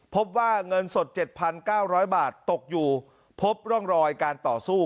พบว่าเงินสดเจ็ดพันเก้าร้อยบาทตกอยู่พบร่องรอยการต่อสู้